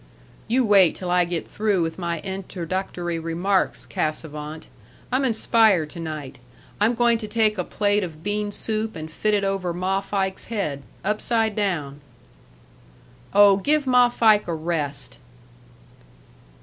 "You wait till I get through with my introductory remarks, Cassavant. I'm inspired to night. I'm going to take a plate of bean soup and fit it over Ma Fike's head upside down." "Oh, give Ma Fike a rest!"